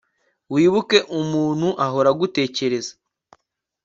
wibuke, umuntu ahora agutekereza